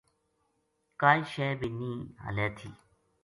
کائے شے بے نیہ ہَلے تھی